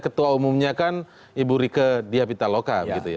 ketua umumnya kan ibu rike diapitaloka